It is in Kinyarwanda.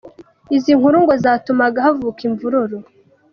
Izi nkuru ngo zatumaga havuka imvururu.